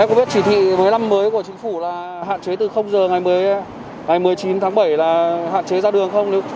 em có biết chỉ thị với năm mới của chính phủ là hạn chế từ giờ ngày một mươi chín tháng bảy là hạn chế ra đường không